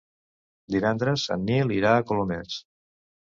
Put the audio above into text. Divendres en Nil irà a Colomers.